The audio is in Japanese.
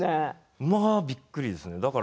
まあびっくりですね。